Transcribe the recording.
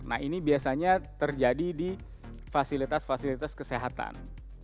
nah ini biasanya terjadi di fasilitas fasilitas kesehatan